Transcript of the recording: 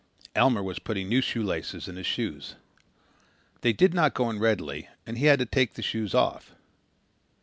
Elmer was putting new shoelaces in his shoes. They did not go in readily and he had to take the shoes off.